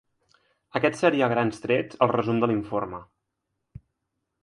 Aquest seria, a grans trets, el resum de l’informe.